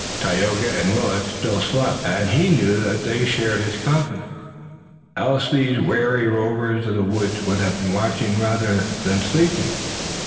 Tayoga and Willet still slept, and he knew that they shared his confidence, else these wary rovers of the woods would have been watching rather than sleeping.